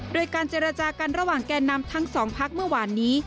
โดยการเจรจากันระหว่างแก่นำทั้งสองพักเมื่อวานนี้